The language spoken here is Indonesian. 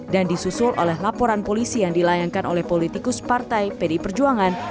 dan disusul oleh laporan polisi yang dilayangkan oleh politikus partai pdi perjuangan